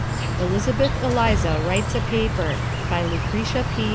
ELIZABETH ELIZA WRITES A PAPER BY LUCRETIA P.